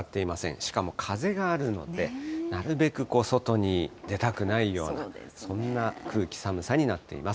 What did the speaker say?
しかも風があるので、なるべく外に出たくないような、そんな空気、寒さになっています。